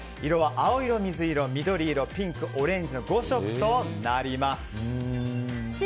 色は青色、水色緑色、ピンク、オレンジの５色となります。